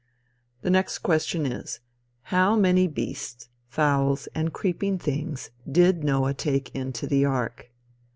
The next question is, how many beasts, fowls and creeping things did Noah take into the ark?